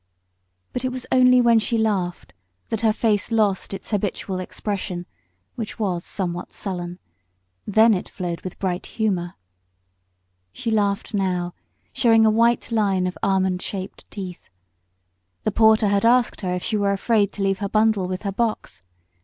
But it was only when she laughed that her face lost its habitual expression, which was somewhat sullen; then it flowed with bright humour. She laughed now, showing a white line of almond shaped teeth. The porter had asked her if she were afraid to leave her bundle with her box.